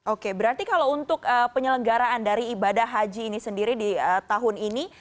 oke berarti kalau untuk penyelenggaraan dari ibadah haji ini sendiri di tahun ini